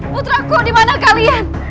putraku dimana kalian